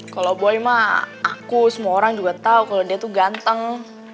kalo boyi mah aku semua orang juga tau kalo dia tuh ganteng